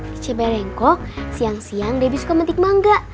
di ciba lengkok siang siang debbie suka menikmangga